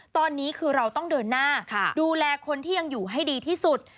ตอนนี้คือเราต้องเดินหน้าดูแลคนที่ยังอยู่ให้ดีที่สุด